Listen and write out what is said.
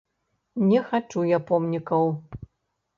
Не хачу я помнікаў.